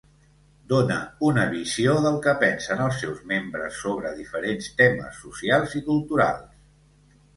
Dóna una visió del que pensen els seus membres sobre diferents temes socials i culturals.